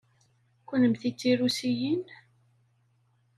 Kennemti d tirusiyin?